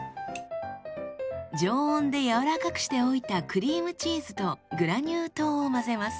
常温で柔らかくしておいたクリームチーズとグラニュー糖を混ぜます。